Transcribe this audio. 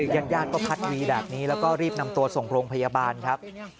ญาติญาติก็พัดวีแบบนี้แล้วก็รีบนำตัวส่งโรงพยาบาลครับ